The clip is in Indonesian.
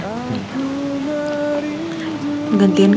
mau gantian gak